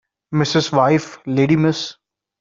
Mrs. wife lady Miss